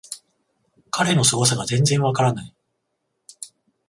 彼のすごさが全然わからない